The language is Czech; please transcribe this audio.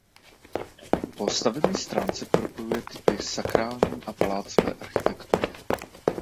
Po stavební stránce propojuje typy sakrální a palácové architektury.